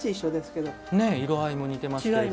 色合いも似ていますけど。